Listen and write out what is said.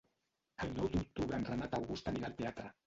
El nou d'octubre en Renat August anirà al teatre.